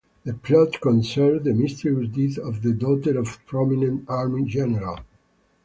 The plot concerns the mysterious death of the daughter of a prominent Army general.